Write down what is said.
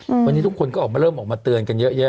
วันนี้ทุกคนก็ออกมาเริ่มออกมาเตือนกันเยอะแยะ